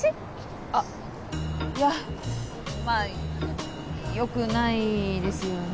あっいやまあ良くないですよね